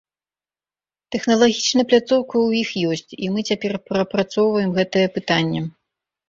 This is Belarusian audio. Тэхналагічна пляцоўка ў іх ёсць, і мы цяпер прапрацоўваем гэтае пытанне.